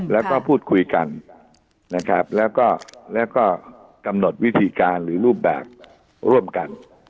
แล้วก็พูดคุยกันนะครับแล้วก็กำหนดวิธีการหรือรูปแบบร่วมกัน